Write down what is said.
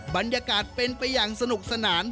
บรรยากาศเป็นไปอย่างสนุกสนาน